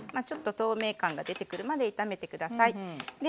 ちょっと透明感が出てくるまで炒めて下さい。